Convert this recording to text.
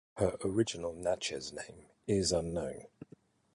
Her original Natchez name is unknown.